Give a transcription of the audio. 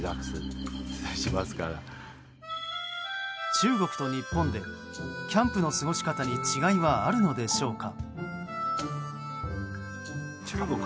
中国と日本でキャンプの過ごし方に違いはあるのでしょうか。